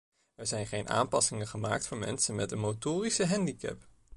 Er zijn geen aanpassingen gemaakt voor mensen met een motorische handicap.